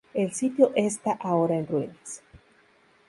El sitio esta ahora en ruinas.